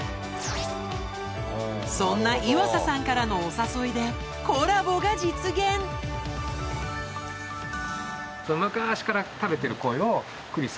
そんな岩佐さんからのお誘いでコラボが実現ナイス！